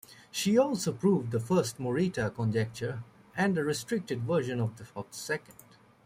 She also proved the first Morita conjecture and a restricted version of the second.